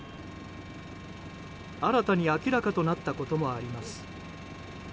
新たに明らかとなったこともあります。